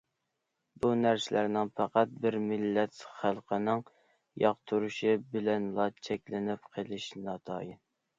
بۇ نەرسىلەرنىڭ پەقەت بىر مىللەت خەلقىنىڭ ياقتۇرۇشى بىلەنلا چەكلىنىپ قېلىشى ناتايىن.